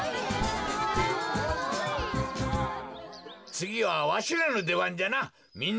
つぎはわしらのでばんじゃな。